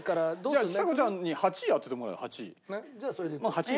じゃあちさ子ちゃんに８位当ててもらおうよ８位。